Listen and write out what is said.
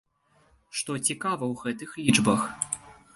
Што цікава ў гэтых лічбах?